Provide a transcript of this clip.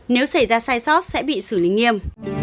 nếu xảy ra sai sót sẽ bị xử lý nghiêm